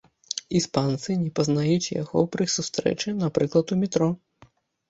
Іспанцы не пазнаюць яго пры сустрэчы, напрыклад, у метро.